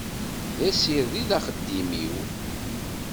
D asired i d axeddim-w.